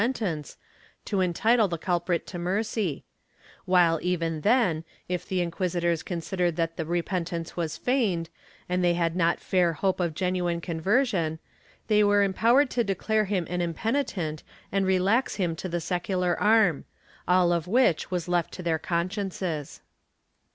IV] RECANTATION 191 tence, to entitle the culprit to mercy; while even then, if the inqui sitors considered that the repentance was feigned, and they had not fair hope of genuine conversion, they were empowered to declare him an impenitent and relax him to the secular arm — all of which was left to their consciences.